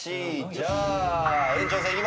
じゃあ延長戦いきますよ。